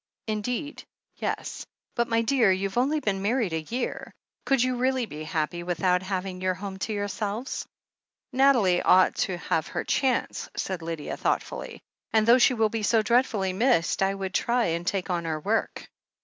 "Indeed, yes. But, my dear — youVe only been mar ried a year ! Could you really be happy without having your home to yourselves ?" "Nathalie ought to have her chance," said Lydia thoughtfully, "and though she will be so dreadfully missed, I would try and take on her work."